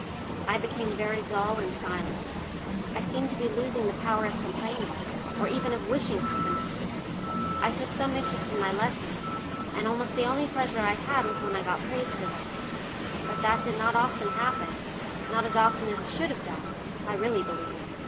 I became very dull and silent. I seemed to be losing the power of complaining, or even of wishing for sympathy. I took some interest in my lessons, and almost the only pleasure I had was when I got praise for them. But that did not often happen, not as often as it should have done, I really believe.